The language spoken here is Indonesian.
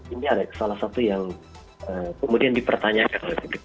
ini ada salah satu yang kemudian dipertanyakan oleh publik